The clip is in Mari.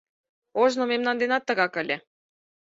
Ожно мемнан денат тыгак ыле...